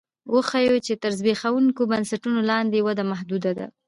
وښیو چې تر زبېښونکو بنسټونو لاندې وده محدوده ده